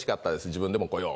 自分でもこよう」。